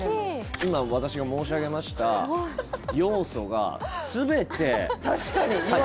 今私が申し上げました要素が全て入ってます